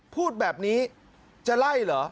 พูดแบบนี้จะไล่เหรอ